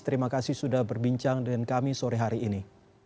terima kasih sudah berbincang dengan kami sore hari ini